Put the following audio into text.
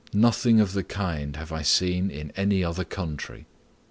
Nothing of the kind have I seen in any other country."